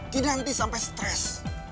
kinandi sampai stres